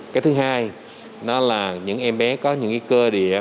cái thứ hai đó là những em bé có những cơ địa